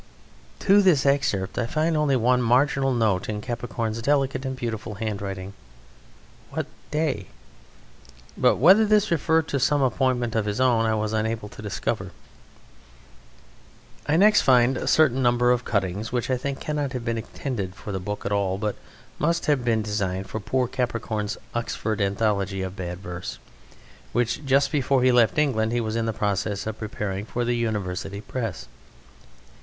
To this excerpt I find only one marginal note in Capricorn's delicate and beautiful handwriting: "What day?" But whether this referred to some appointment of his own I was unable to discover. I next find a certain number of cuttings which I think cannot have been intended for the book at all, but must have been designed for poor Capricorn's "Oxford Anthology of Bad Verse," which, just before he left England, he was in process of preparing for the University Press.